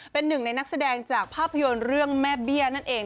เป็นหนึ่งในนักแสดงจากภาพยนตร์เรื่องแม่เบี้ยนั่นเอง